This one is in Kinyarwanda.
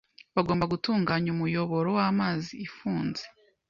Bagomba gutunganya umuyoboro w'amazi .Ifunze .